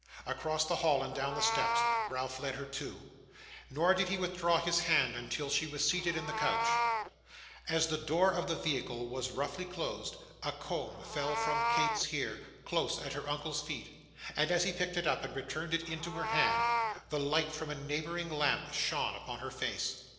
Across the hall, and down the steps, Ralph led her too; nor did he withdraw his hand until she was seated in the coach. As the door of the vehicle was roughly closed, a comb fell from Kate's hair, close at her uncle's feet; and as he picked it up, and returned it into her hand, the light from a neighbouring lamp shone upon her face.